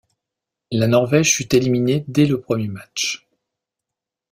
La Norvège fut éliminée dès le premier match.